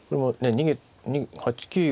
逃げ８九玉